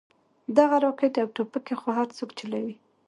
دغه راكټ او ټوپكې خو هرسوك چلوې شي.